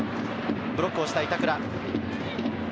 ブロックをした板倉。